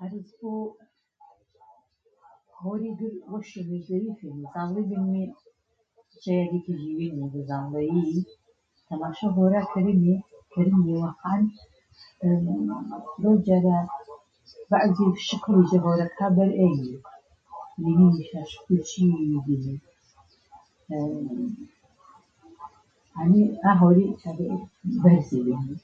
عەرز بۆ هەورێ گرذ وەشینێ زەریفێنێ زاڤڵێ بێنمێ جە زاڤڵەیی تەماشەو هەورا کەرێنمێ واقێعەن فرەو جارا بەعزێڤ شکڵێ جە هەورەکا بەر ئەی ڤینینیشا شکڵوو چێڤێڤی بێنێ ئانە ئا هەورێ چاگە بەرزێ بێنێ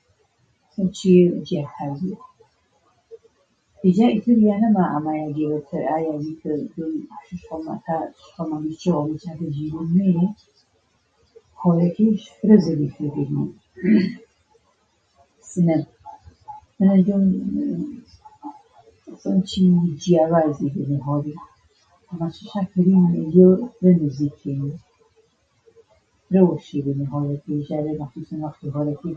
ئیجا ئێتر یانەما ئاما یاگێڤە تەر ئا یاگێ کە تا ش ش حەوذ مانگێ چیەوڤەڵی چاگە بێنمێ هەورەکێش فرە زەریفێ بێنێ. سنە من ئەجۆم ئێ ئێ مەسەڵەن چێڤێڤی جیاوڤازێ بێنێ هەورێ تەماشەشا کەرێنێ ئەجۆ فرە نزیکێنێ فرە وەشی بێنێ هەورەکیش مەخسووسەن وەختێڤ هەورەکێ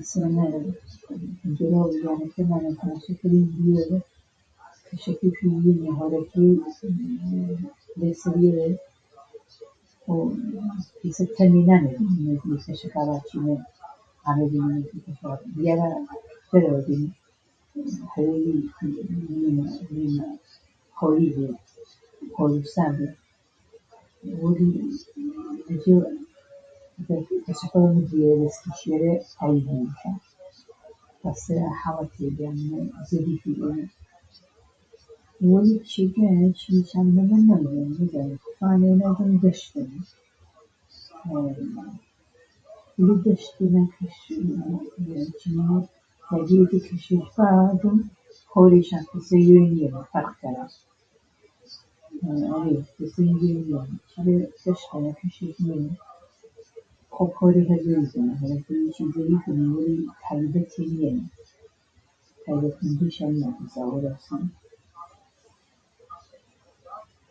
وەختووو ڤیەرا .... ماچۆ رەفێقێڤەم تارانانە هین سنە دانشجوو بیێنە ڤاتەنش هیچ لێڤ هەورێ سنەیش نیەنێ ئانە زەریفێنێ فرە زەریفێ بێنێ من وەڵاتوو سویدیچ تەماشەم کەرذەن هەورێ ئاذیچی فرە زەریفێ بێنێ ئاذێچێ هەورەکیش نزیکێ بێنی ئەجۆم نزیکێ زەمینی بێنێ فرە شینێڤە هەوراو سنەی وەلی ئیسە چی وەڵاتە کە مژیڤوو ئێ هەورەکێش زەریفێنێ ئاذیچ وەلی نەک پێسە سنەی و پێسە سوێدی هەورێ مەعموولیێنێ پیسەنێ ئا هەورا کە بە زاڤڵەیی ڤینێشا وەلی کۆلەن هەورێ وەشێنێ هەورێ تەماشە ژەرذەی هەورا ڤەروو یانەکەیمانە تەماشە کەرێنێ کەشەکێ پیڤینێ هەورەکێ خۆ پێس ەتەمێنێ نامەینێ دلێ کەشەکا ڤاچینە ئامەیبێنێ دیارا سەرەڤە بێنێ ڤیرما هەوری بێ هەوروو سا بێ وەلی ئەجۆ کەشەکەڤە بنیشیرە متاڤی ڤینیشا پاسە حاڵەتێڤ بێ ئاننە زەریفێ بێنێ وەلی جێگە چێڤی چامنەمە نەذیەن مەزانوو خەتاو ئانەیە رەنگا دەشتەنە دەشتەنە کەش ئێ ئێ هەورێ چنی یاگێڤێ کەشێش بە ئەجۆم هەورێشا پێسە یۆی نیەنێ فەرق کەرا ئەرێ پێسە یۆی نیەنێ چاگە کەشێةێ خۆ هەورێ هەر بەرزێنێ زەریفێنێ وەلی پسە یۆی نیەنێ